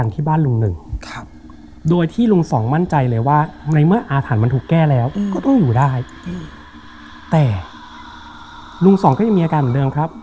แต่ลุงสองก็ยังมีอาการเหมือนเดิมครับ